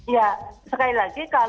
ya sekali lagi